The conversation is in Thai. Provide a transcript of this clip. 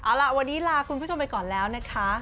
เอาล่ะวันนี้ลาคุณผู้ชมไปก่อนแล้วนะคะ